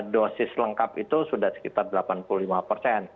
dosis lengkap itu sudah sekitar